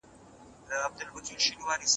ځوان نسل به د علم په مرسته هېواد اباد کړي.